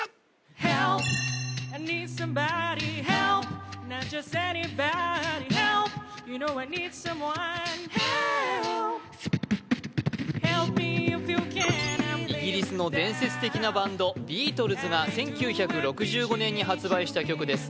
Ｈｅｌｐｍｅｉｆｙｏｕｃａｎイギリスの伝説的なバンドビートルズが１９６５年に発売した曲です